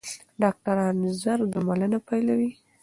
ډاکټران ژر درملنه پیلوي.